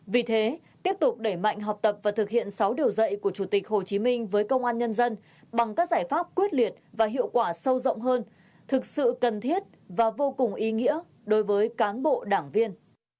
vì thế tiếp tục đẩy mạnh học tập và thực hiện sáu điều dạy của chủ tịch hồ chí minh với công an nhân dân bằng các giải pháp quyết liệt và hiệu quả sâu rộng hơn thực sự cần thiết và vô cùng ý nghĩa đối với cán bộ đảng viên